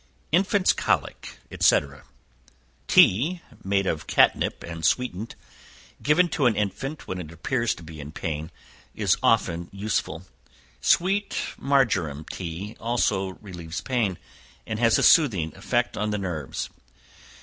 Infants' Colic, &c. Tea made of catnip, and sweetened, given to an infant when it appears to be in pain, is often useful. Sweet marjoram tea also relieves pain, and has a soothing effect on the nerves.